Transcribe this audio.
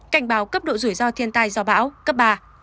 cảnh báo cấp độ rủi ro thiên tai do bão cấp ba